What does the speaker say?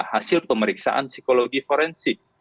hasil pemeriksaan psikologi forensik